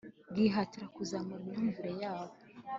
bwihatira kuzamura imyumvire yabo